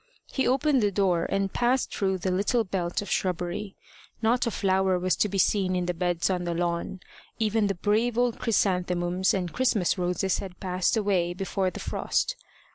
He opened the door, and passed through the little belt of shrubbery. Not a flower was to be seen in the beds on the lawn. Even the brave old chrysanthemums and Christmas roses had passed away before the frost.